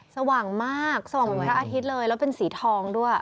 สว่างมากสว่างเหมือนพระอาทิตย์เลยแล้วเป็นสีทองด้วย